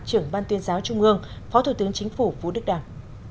trưởng ban tuyên giáo trung ương phó thủ tướng chính phủ vũ đức đảng